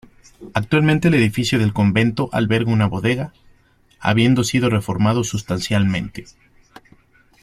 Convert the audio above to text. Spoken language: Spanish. Actualmente el edificio del convento alberga una bodega, habiendo sido reformado sustancialmente.